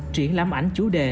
triển lãm ảnh chủ đề